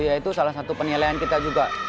ya itu salah satu penilaian kita juga